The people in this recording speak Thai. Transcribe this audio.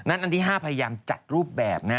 อันที่๕พยายามจัดรูปแบบนะ